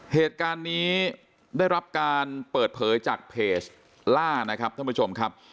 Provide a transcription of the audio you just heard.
เหตุการณ์นี้ได้รับการเปิดเผยจากเพจล่านะครับท่านผู้ชมครับ